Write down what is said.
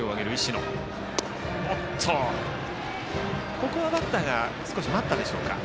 ここはバッターが少し待ったでしょうか。